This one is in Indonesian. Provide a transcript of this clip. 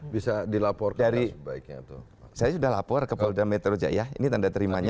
bisa dilapor ke kepala metro jaya ini tanda terimanya